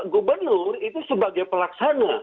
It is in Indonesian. gubernur itu sebagai pelaksana